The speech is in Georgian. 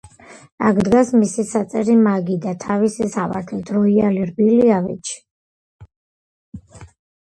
აქ დგას მისი საწერი მაგიდა თავისი სავარძლით, როიალი, რბილი ავეჯი.